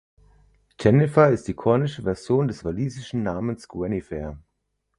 Jennifer ist die kornische Version des walisischen Namens "Gwenhwyfar".